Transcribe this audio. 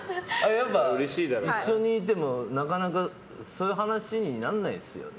一緒にいてもなかなかそういう話にならないですよね。